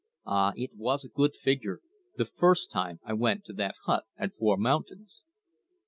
"Ah, it was a good figure, the first time I went to that hut at Four Mountains!"